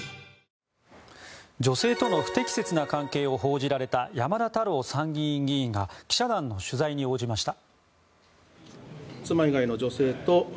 女性との不適切な関係を報じられた山田太郎参議院議員が記者団の取材に応じました。